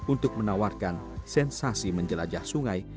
untuk menawarkan sensasi menjelajah sungai